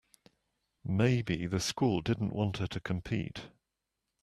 Maybe the school didn't want her to compete.